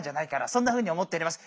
そんなふうに思っております。